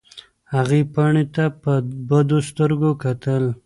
هغې پاڼې ته په بدو سترګو کتل.